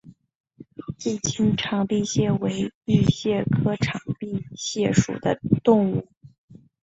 近亲长臂蟹为玉蟹科长臂蟹属的动物。